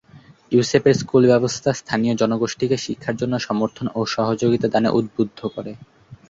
ইউসেপের school ব্যবস্থা স্থানীয় জনগোষ্ঠীকে শিক্ষার জন্য সমর্থন ও সহযোগিতা দানে উদ্বুদ্ধ করে।